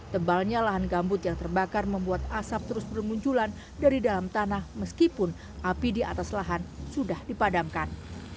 tebalnya lahan gambut yang terbakar membuat asap terus bermunculan dari dalam tanah meskipun api di atas lahan sudah dipadamkan